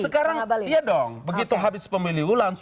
sekarang ya dong begitu habis pemilihu